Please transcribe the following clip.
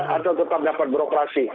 atau tetap dapat beroperasi